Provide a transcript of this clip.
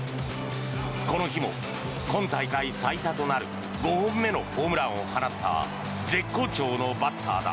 この日も、今大会最多となる５本目のホームランを放った絶好調のバッターだ。